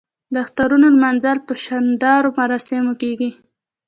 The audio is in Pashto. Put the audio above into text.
د اخترونو لمانځل په شاندارو مراسمو کیږي.